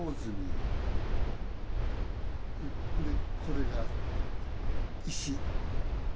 「でこれが石」